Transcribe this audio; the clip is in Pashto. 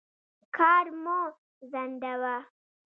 کار مه ځنډوه.